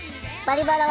「バリバラ」